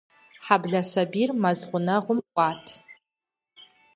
Хьэблэ сабийр мэз гъунэгъум кӀуат.